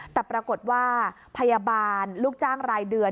แต่ปรากฏว่าพยาบาลลูกจ้างรายเดือน